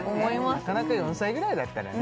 なかなか４歳ぐらいだったらね